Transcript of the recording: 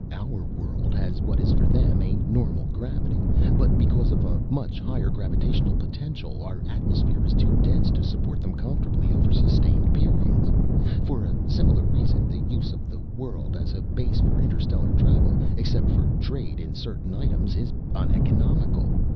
Our world has what is for them a normal gravity, but because of our much higher gravitational potential, our atmosphere is too dense to support them comfortably over sustained periods. For a similar reason the use of the world as a base for interstellar travel, except for trade in certain items, is uneconomical.